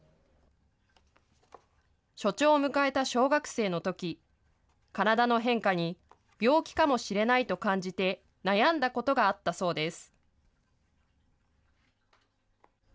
初潮を迎えた小学生のとき、体の変化に病気かもしれないと感じて、悩んだことがあったそうです。